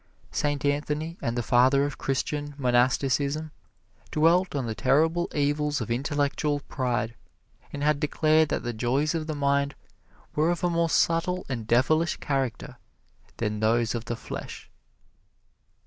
Saint Anthony, the father of Christian Monasticism, dwelt on the terrible evils of intellectual pride, and had declared that the joys of the mind were of a more subtle and devilish character than those of the flesh.